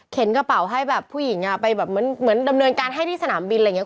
กระเป๋าให้แบบผู้หญิงไปแบบเหมือนดำเนินการให้ที่สนามบินอะไรอย่างนี้